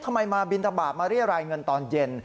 มาบินทบาทมาเรียรายเงินตอนเย็น